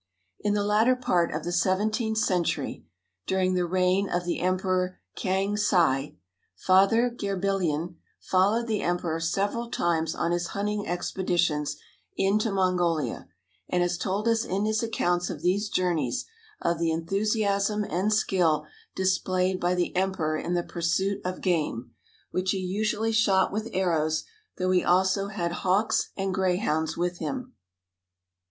In the latter part of the seventeenth century, during the reign of the Emperor K'ang hsi, Father Gérbillon followed the Emperor several times on his hunting expeditions into Mongolia, and has told us in his accounts of these journeys of the enthusiasm and skill displayed by the Emperor in the pursuit of game, which he usually shot with arrows, though he also had hawks and greyhounds with him.